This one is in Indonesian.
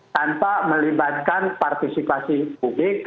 tanpa melibatkan partisipasi publik